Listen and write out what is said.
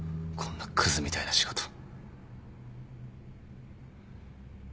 こんなくずみたいな仕事。